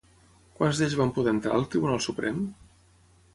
Quants d'ells van poder entrar al Tribunal Suprem?